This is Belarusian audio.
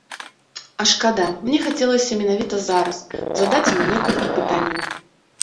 А шкада, мне хацелася менавіта зараз задаць яму некалькі пытанняў.